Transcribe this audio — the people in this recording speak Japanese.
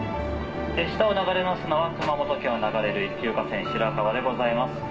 下を流れますのは熊本県を流れる一級河川白川でございます。